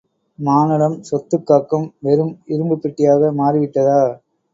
மானுடம், சொத்து காக்கும், வெறும் இரும்புப் பெட்டியாக மாறி விட்டதா?